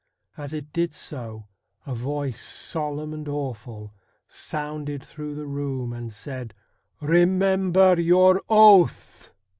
As it did so a voice solemn and awful sounded through the room, and said :' Eemember your oath